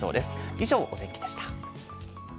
以上、お天気でした。